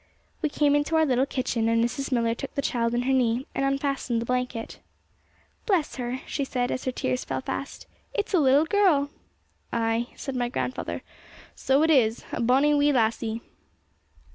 We came into our little kitchen, and Mrs. Millar took the child on her knee and unfastened the blanket. 'Bless her,' she said, as her tears fell fast, 'it's a little girl!' 'Ay,' said my grandfather, 'so it is; it's a bonnie wee lassie!'